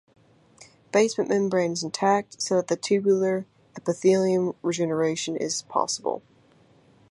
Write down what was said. Basement membrane is intact, so the tubular epithelium regeneration is possible.